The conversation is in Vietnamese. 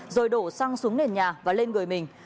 rồi đổ xăng xuống nền nhà và lên người mình